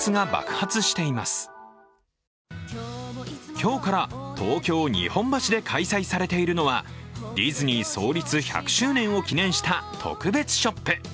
今日から東京・日本橋で開催されているのはディズニー創立１００周年を記念した特別ショップ。